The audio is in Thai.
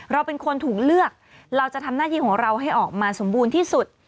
เราเป็นคนถูกเลือกเราจะทำหน้าที่ของเราให้ออกมาสมบูรณ์ที่สุด